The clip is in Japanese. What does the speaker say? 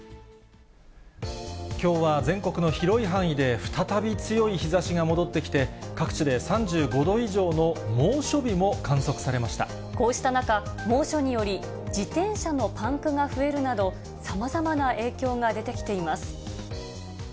きょうは全国の広い範囲で、再び強い日ざしが戻ってきて、各地で３５度以上の猛暑日も観測こうした中、猛暑により自転車のパンクが増えるなど、さまざまな影響が出てきています。